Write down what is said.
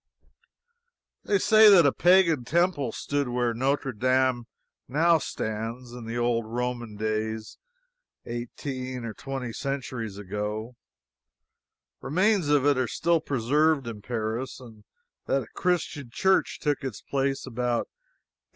They say that a pagan temple stood where Notre Dame now stands, in the old Roman days, eighteen or twenty centuries ago remains of it are still preserved in Paris; and that a Christian church took its place about A.